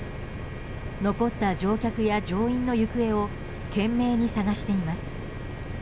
残った乗客や乗員の行方を懸命に捜しています。